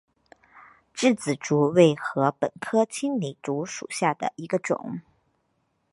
稚子竹为禾本科青篱竹属下的一个种。